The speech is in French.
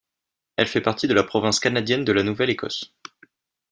Elle fait partie de la province canadienne de la Nouvelle-Écosse.